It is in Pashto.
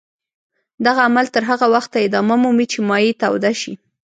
دغه عمل تر هغه وخته ادامه مومي چې مایع توده شي.